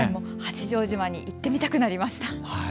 八丈島に行ってみたくなりました。